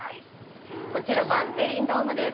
こちらバンテリンドームです。